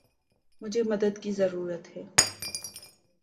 مجھے مدد کی ضرورت ہے۔